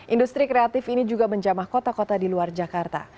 industri kreatif ini juga menjamah kota kota di luar jakarta